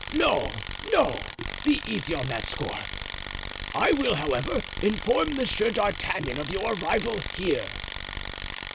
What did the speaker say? No, no, be easy on that score. I will, however, inform Monsieur d'Artagnan of your arrival here."